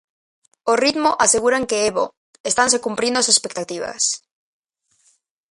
O ritmo aseguran que é bo, estanse cumprindo as expectativas.